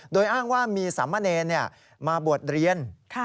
โดยอ้างว่ามีสามเณรมาบวชเรียน